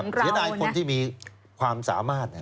เห็นไหมครับเสียใดคนที่มีความสามารถ